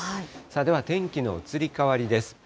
では天気の移り変わりです。